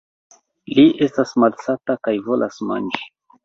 Li estas malsata kaj volas manĝi!